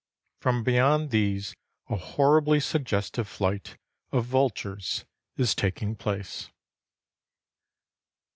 From beyond these a horribly sugges tive flight of vultures is taking place.